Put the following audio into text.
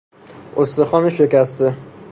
استخوان شکسته